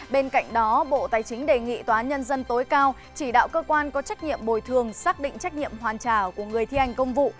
bên cạnh đó bộ tài chính đề nghị tòa nhân dân tối cao chỉ đạo cơ quan có trách nhiệm bồi thường xác định trách nhiệm hoàn trả của người thi hành công vụ